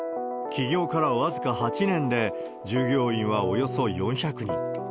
起業から僅か８年で従業員はおよそ４００人。